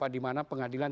di mana pengadilan